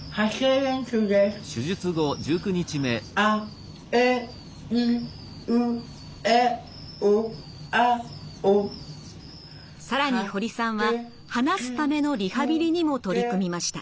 更に堀さんは話すためのリハビリにも取り組みました。